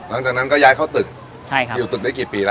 หลังจากนั้นก็ย้ายเข้าตึกอยู่ตึกได้กี่ปีแล้ว